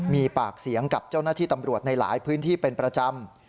มีปากเสียงกับเจ้าหน้าที่ตำรวจในหลายพื้นที่เป็นประจำ